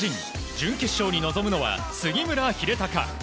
準決勝に臨むのは杉村英孝。